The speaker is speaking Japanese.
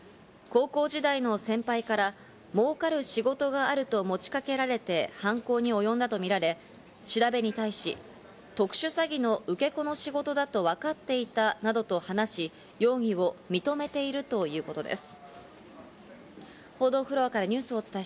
高校時代の先輩からもうかる仕事があると持ちかけられて犯行におよんだとみられ、調べに対し特殊詐欺の受け子の仕事だとわかっていたなどと話し、容疑を認めているということです。